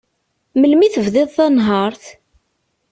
Melmi i tebdiḍ tanhert?